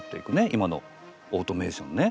今のオートメーションね。